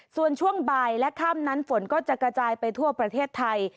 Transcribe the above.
ส่วนช่วงบ่ายและค่ำนั้นฝนก็จะกระจายไปทั่วประเทศไทย